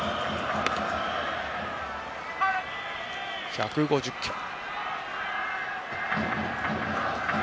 １５０キロ。